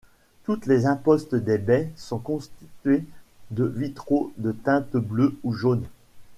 Toutes les impostes des baies sont constituées de vitraux de teintes bleues ou jaunes.